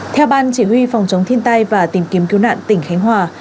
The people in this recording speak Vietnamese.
theo ban chỉ huy phòng chống thiên tai và tìm kiếm cứu nạn tỉnh khánh hòa